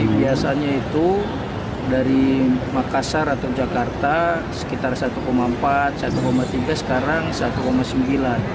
biasanya itu dari makassar atau jakarta sekitar satu empat satu tiga sekarang satu sembilan